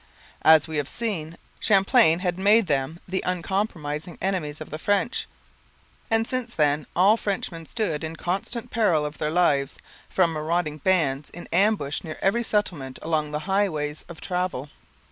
As we have seen, Champlain had made them the uncompromising enemies of the French, and since then all Frenchmen stood in constant peril of their lives from marauding bands in ambush near every settlement and along the highways of travel.